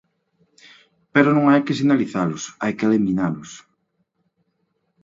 Pero non hai que sinalizalos, hai que eliminalos.